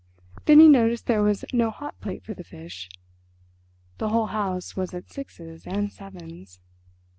Then he noticed there was no hot plate for the fish—the whole house was at sixes and sevens.